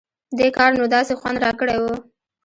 دې کار نو داسې خوند راکړى و.